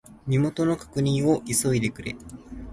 身元の確認を急いでくれ。